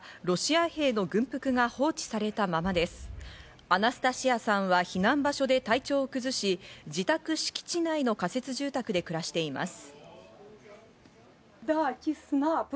アナスタシアさんは避難場所で体調崩し、自宅敷地内の仮設住宅で暮らしています。